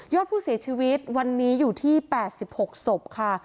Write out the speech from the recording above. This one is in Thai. อดผู้เสียชีวิตวันนี้อยู่ที่๘๖ศพค่ะ